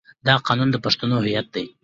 دا قانون د پښتنو هویت دی.